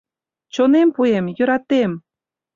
Чонем пуэм, йӧратем!..